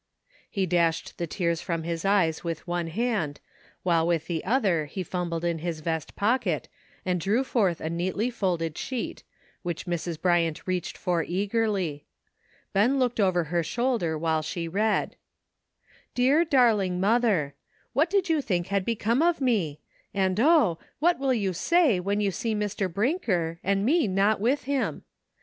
He dashed the tears from his eyes with one hand, while with the other he fumbled in his vest pocket and drew forth a neatly folded sheet, which Mrs. Bryant reached for eagerly. Ben looked over her shoulder while she read : Dear, darling mother: What did you think had become of me? And oh! what will you say when you see Mr. Briiiker, and me not with him?